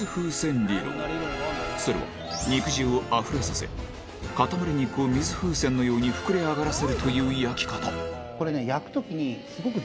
それは肉汁をあふれさせ塊肉を水風船のように膨れ上がらせるという焼き方これね。